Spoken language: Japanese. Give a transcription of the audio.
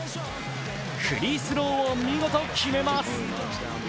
フリースローを見事、決めます。